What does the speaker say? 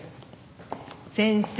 先生。